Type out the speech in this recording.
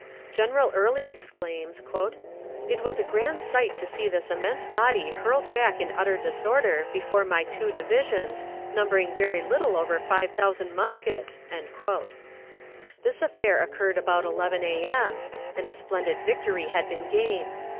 General Early exclaims, "It was a grand sight to see this immense body hurled back in utter disorder before my two divisions, numbering very little over five thousand muskets!" This affair occurred about 11 A.M., and a splendid victory had been gained.